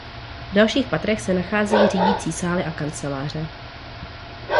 V dalších patrech se nacházejí řídicí sály a kanceláře.